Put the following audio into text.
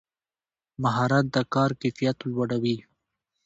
مهارت د کار کیفیت لوړوي